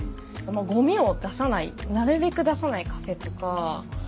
ごみを出さないなるべく出さないカフェとか。